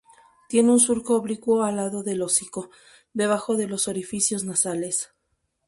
Tiene un surco oblicuo al lado del hocico, debajo de los orificios nasales.